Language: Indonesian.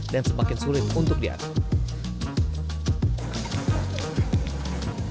dan semakin sulit untuk diaduk